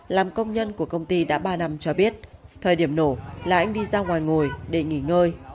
làm công nhân của công ty đã ba năm cho biết thời điểm nổ là anh đi ra ngoài ngồi để nghỉ ngơi